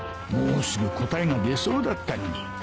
もうすぐ答えが出そうだったのに